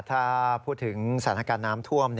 ถ้าพูดถึงสถานการณ์น้ำท่วม